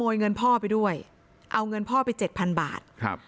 ยเงินพ่อไปด้วยเอาเงินพ่อไปเจ็ดพันบาทครับ